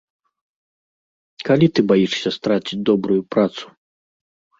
Калі ты баішся страціць добрую працу?